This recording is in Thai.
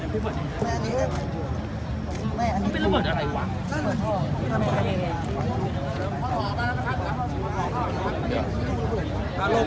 ใส่ทอบ